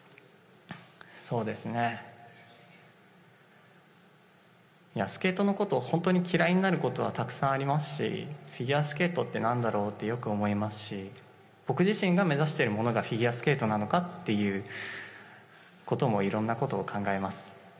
そうですね、いや、スケートのことを本当に嫌いになることはたくさんありますし、フィギュアスケートってなんだろう？って、よく思いますし、僕自身が目指してるものがフィギュアスケートなのか？っていうこともいろんなことを考えます。